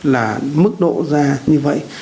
là mức độ ra như vậy